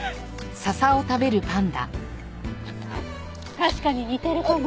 確かに似てるかも。